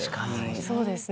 そうですね。